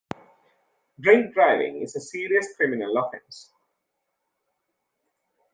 Drink-driving is a serious criminal offence